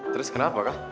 terus kenapa kah